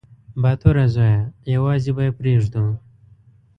_باتوره زويه! يوازې به يې پرېږدو.